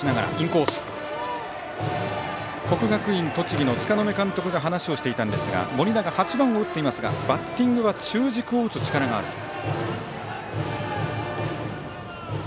国学院栃木の柄目監督が話をしていたんですが盛永、８番を打っていますがバッティングは中軸を打つ力があると。